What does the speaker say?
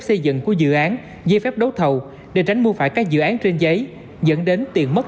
xây dựng của dự án dây phép đấu thầu để tránh mua phải các dự án trên giấy dẫn đến tiền mất